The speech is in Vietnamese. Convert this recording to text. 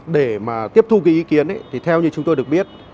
để mà tiếp thu cái ý kiến thì theo như chúng tôi được biết